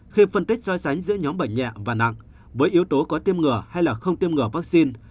khi phân tích so sánh giữa nhóm bệnh nhẹ và nặng với yếu tố có tiêm ngỡ hay không tiêm ngỡ vaccine